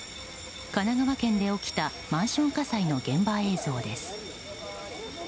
神奈川県で起きたマンション火災の現場映像です。